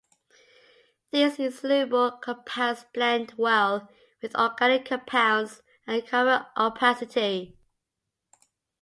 These insoluble compounds blend well with organic compounds and confer opacity.